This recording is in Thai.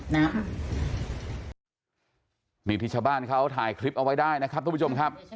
พระเกจิอาจารย์ชื่อดังไปดูนะครับทุกผู้ชมครับ